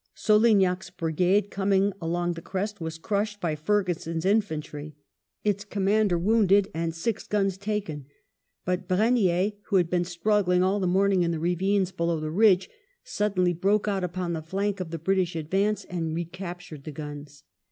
Solignac's brigade, coming along the crestj was crushed by Ferguson's infantry, its commander wounded and six guns taken; but Brenier, who had been struggling all the morning in the ravines below the ridge, suddenly broke out upon the flank of the British advance and recaptured the guns.